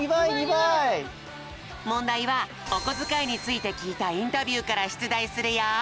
もんだいはおこづかいについてきいたインタビューからしゅつだいするよ。